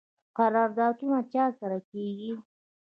قراردادونه چا سره کیږي؟